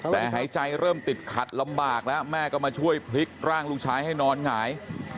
แต่หายใจเริ่มติดขัดลำบากแล้วแม่ก็มาช่วยพลิกร่างลูกชายให้นอนหงาย